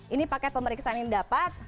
ini paket pemeriksaan yang dapat